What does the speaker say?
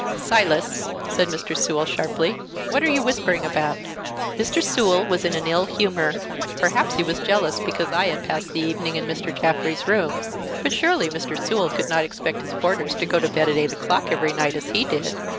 "Silas!" said Mr. Sewell, sharply, "what are you whispering about?" Mr. Sewell was in an ill humor; perhaps he was jealous because I had passed the evening in Mr. Jaffrey's room; but surely Mr. Sewell could not expect his boarders to go to bed at eight o'clock every night, as he did.